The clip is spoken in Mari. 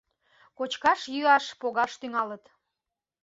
Кочкаш-йӱаш погаш тӱҥалыт..